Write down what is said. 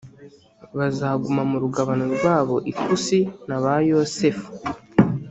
bazaguma mu rugabano rwabo ikusi n abayosefu